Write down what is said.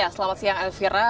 selamat siang elvira